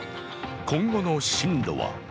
今後の進路は？